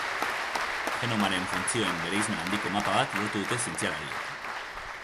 Genomaren funtzioen bereizmen handiko mapa bat lortu dute zientzialariek.